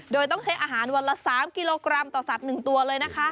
โดยต้องใช้อาหารวันละ๓กิโลกรัมต่อสัตว์๑ตัวเลยนะคะ